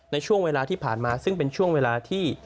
ในช่วงเวลาที่ผ่านมาซึ่งเป็นช่วงเวลาที่